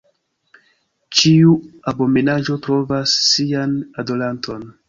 Ĉiu abomenaĵo trovas sian adoranton.